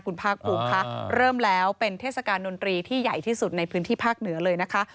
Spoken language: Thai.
คุณภาคภูมิค่ะเริ่มแล้วเป็นเทศกาลดนตรีที่ใหญ่ที่สุดในพื้นที่ภาคเหนือเลยนะคะ